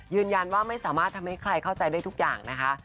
ยืนยันว่าไม่สามารถทำให้ใครเข้าใจได้ทุกอย่างนะคะ